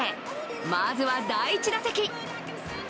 まずは第１打席。